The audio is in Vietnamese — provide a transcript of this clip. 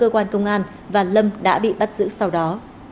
cơ quan công an và lâm đã bị bắt giữ sau đó